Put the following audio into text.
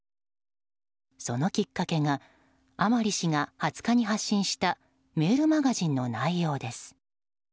そのきっかけが甘利氏が２０日に発信したメールマガジンの内容です。